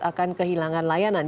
akan kehilangan kekuasaan